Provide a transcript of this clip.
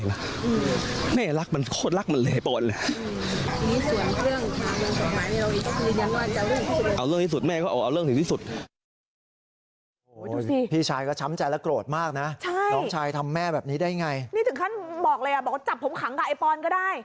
นี่ถึงขั้นบอกเลยอ่ะบอกว่าจับผมขังกับไอ้ปอนด์ก็ได้